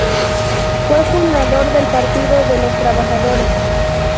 Fue fundador del Partido de los Trabajadores.